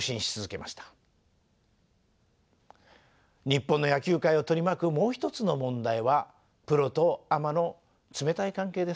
日本の野球界を取り巻くもう一つの問題はプロとアマの冷たい関係です。